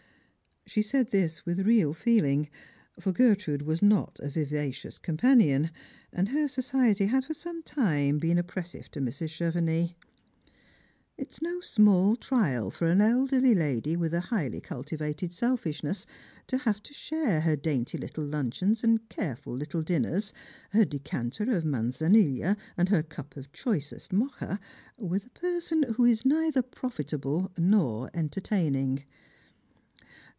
She said this with real feeling ; for Gertrnde was not a viva cious companion, and her society had for some time been oppres sive to Mrs. Chevenix. It is no small trial for an elderly lady with a highly cultivated selfishness to have to share her dainty little luncheons and care ful little dinners, her decanter of Manzanilla, and her cup of choicest Mocha, with a person who is neither profitable nor entertaining.